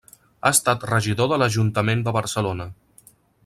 Ha estat regidor de l'Ajuntament de Barcelona.